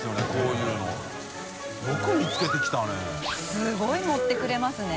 すごい盛ってくれますね。